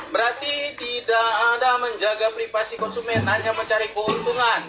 berarti tidak ada menjaga privasi konsumen hanya mencari keuntungan